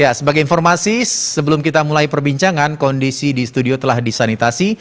ya sebagai informasi sebelum kita mulai perbincangan kondisi di studio telah disanitasi